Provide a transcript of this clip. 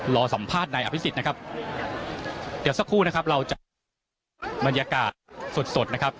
รอสัมภาษณ์นายอภิษฎนะครับเดี๋ยวสักครู่นะครับเราจะบรรยากาศสดสดนะครับ